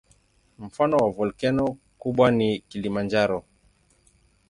Mfano wa volkeno kubwa ni Kilimanjaro.